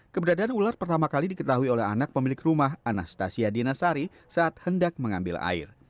keberadaan ular pertama kali diketahui oleh anak pemilik rumah anastasia dinasari saat hendak mengambil air